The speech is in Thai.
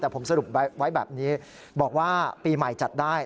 แต่ผมสรุปไว้แบบนี้บอกว่าปีใหม่จัดได้